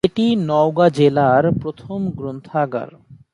এটি নওগাঁ জেলার প্রথম গ্রন্থাগার।